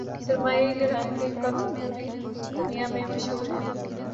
سرمئی رنگ کے گدھ پوری دنیا میں مشہور ہیں